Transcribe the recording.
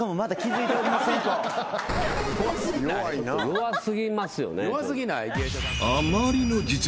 弱過ぎますよね。